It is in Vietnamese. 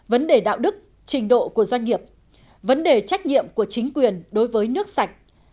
vấn đề đạo đức trình độ của doanh nghiệp vấn đề trách nhiệm của chính quyền đối với nước sạch